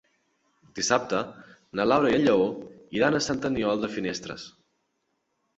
Dissabte na Laura i en Lleó iran a Sant Aniol de Finestres.